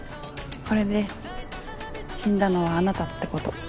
これで死んだのはあなたってこと。